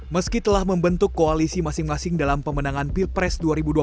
meski telah membentuk koalisi masing masing dalam pemenangan pilpres dua ribu dua puluh